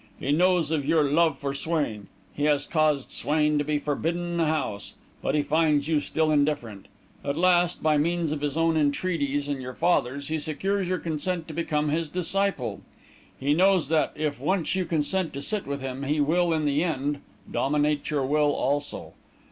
He knows of your love for Swain. He has caused Swain to be forbidden the house; but he finds you still indifferent. At last, by means of his own entreaties and your father's, he secures your consent to become his disciple. He knows that, if once you consent to sit with him, he will, in the end, dominate your will, also.